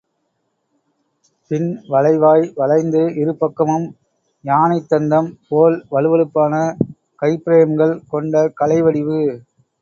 பின் வளைவாய் வளைந்து, இரு பக்கமும் யானைத்தந்தம் போல் வழுவழுப்பான கைப்பிரேம்கள் கொண்ட கலைவடிவு.